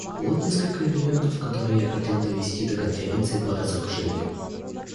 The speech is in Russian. Вот несколько элементов, которые я хотел довести до Конференции по разоружению.